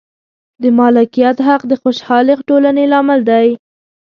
د مالکیت حق د خوشحالې ټولنې لامل دی.